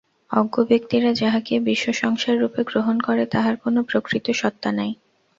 অজ্ঞ ব্যক্তিরা যাহাকে বিশ্ব-সংসাররূপে গ্রহণ করে, তাহার কোন প্রকৃত সত্তা নাই।